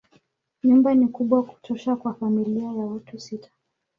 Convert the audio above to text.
Nyumba ni kubwa kutosha kwa familia ya watu sita.